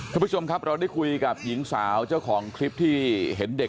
คุณผู้ชมครับเราได้คุยกับหญิงสาวเจ้าของคลิปที่เห็นเด็ก